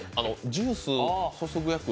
ジュース注ぐやつ。